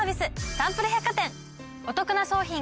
サンプル百貨店。